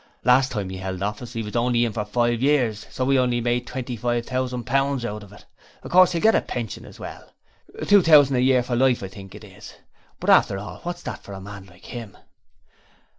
'Last time 'e 'eld office 'e was only in for five years, so 'e only made twenty five thousand pounds out of it. Of course 'e got a pension as well two thousand a year for life, I think it is; but after all, what's that for a man like 'im?'